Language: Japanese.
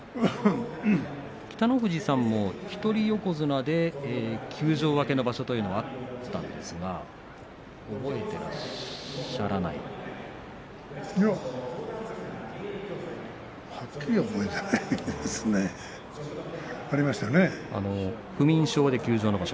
北の富士さんも一人横綱で休場明けの場所というのはあったんですが覚えてらっしゃいますか？